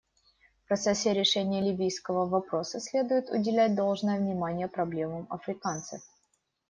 В процессе решения ливийского вопроса следует уделять должное внимание проблемам африканцев.